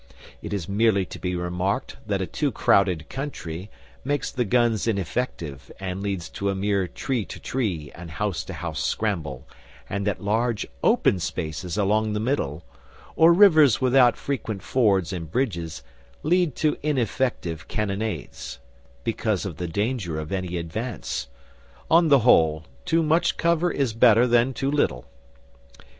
(It is merely to be remarked that a too crowded Country makes the guns ineffective and leads to a mere tree to tree and house to house scramble, and that large open spaces along the middle, or rivers without frequent fords and bridges, lead to ineffective cannonades, because of the danger of any advance. On the whole, too much cover is better than too little.)